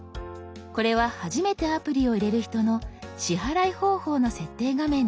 これは初めてアプリを入れる人の支払い方法の設定画面です。